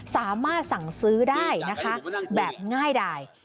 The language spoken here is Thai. สามารถสั่งซื้อได้นะคะแบบง่ายดาย